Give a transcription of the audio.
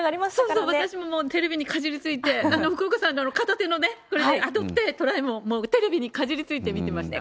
そうそう、私ももう、テレビにかじりついて、福岡さんの片手のね、トライも、テレビにかじりついて見てましたよ。